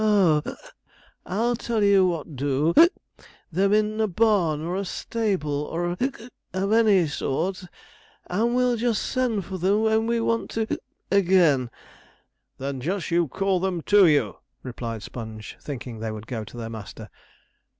'Oh I'll tell you what do them into a barn or a stable, or a of any sort, and we'll send for them when we want to again.' 'Then just you call them to you,' replied Sponge, thinking they would go to their master.